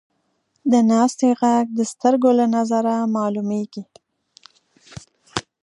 د ناستې ږغ د سترګو له نظره معلومېږي.